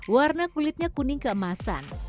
warna kulitnya kuning keemasan